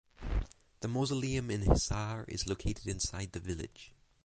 The mausoleum in Hisar is situated inside the village.